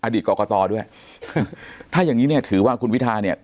อดีตก่อก่อตอด้วยถ้าอย่างนี้ถือว่าคุณพิธา